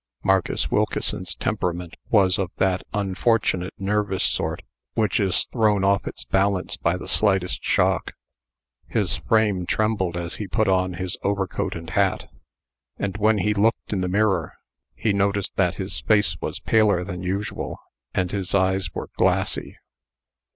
Marcus Wilkeson's temperament was of that unfortunate nervous sort which is thrown off its balance by the slightest shock. His frame trembled as he put on his overcoat and hat; and, when he looked in the mirror, he noticed that his face was paler than usual, and his eyes were glassy.